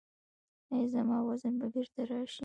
ایا زما وزن به بیرته راشي؟